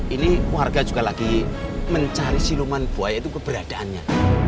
ini warga juga lagi mencari siluman buaya itu keberadaannya